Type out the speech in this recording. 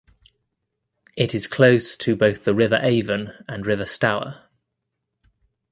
It is close to both the River Avon and River Stour.